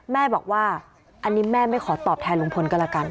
แม่บอกว่าอันนี้แม่ไม่ขอตอบแทนลุงพลก็แล้วกัน